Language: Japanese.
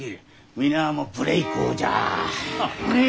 皆あも無礼講じゃ。